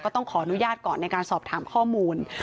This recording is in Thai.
ต้องขออนุญาตก่อนในการสอบถามข้อมูล